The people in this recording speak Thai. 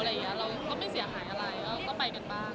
เราก็ไม่เสียหายอะไรก็ไปกันบ้าง